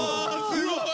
すごい！